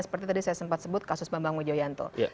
seperti tadi saya sempat sebut kasus bambang wijoyanto